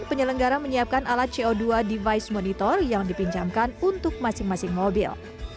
penyelenggara menyiapkan alat co dua device monitor yang dipinjamkan untuk masing masing mobil